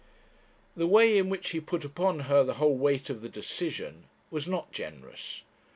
The way in which he put upon her the whole weight of the decision was not generous.